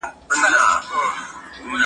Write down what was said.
زه کولای سم ليک ولولم،